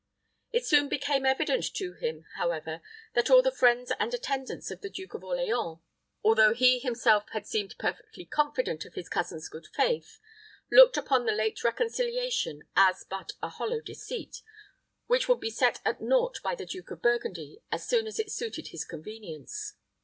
It soon became evident to him, however, that all the friends and attendants of the Duke of Orleans, although he himself had seemed perfectly confident of his cousin's good faith, looked upon the late reconciliation as but a hollow deceit, which would be set at naught by the Duke of Burgundy as soon as it suited his convenience.